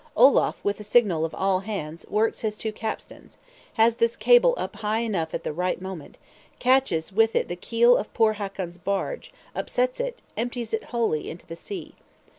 Olaf with a signal of "All hands," works his two capstans; has the cable up high enough at the right moment, catches with it the keel of poor Hakon's barge, upsets it, empties it wholly into the sea.